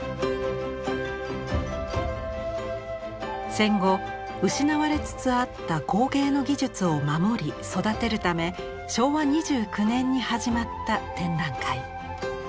戦後失われつつあった工芸の技術を守り育てるため昭和２９年に始まった展覧会。